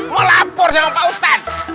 mau lapor sama pak ustadz